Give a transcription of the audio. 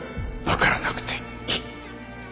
わからなくていい。